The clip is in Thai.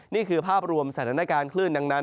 นี่คือภาพรวมสถานการณ์คลื่นดังนั้น